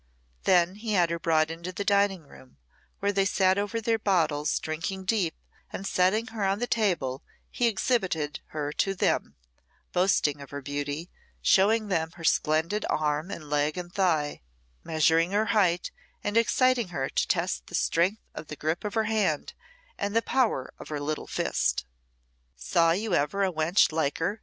Then he had her brought into the dining room, where they sat over their bottles drinking deep, and setting her on the table, he exhibited her to them, boasting of her beauty, showing them her splendid arm and leg and thigh, measuring her height, and exciting her to test the strength of the grip of her hand and the power of her little fist. "Saw you ever a wench like her?"